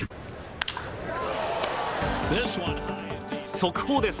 速報です。